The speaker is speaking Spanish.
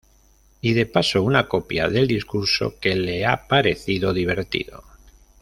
Y de paso una copia del discurso, que le ha parecido divertido.